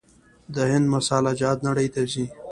د هند مساله جات نړۍ ته ځي.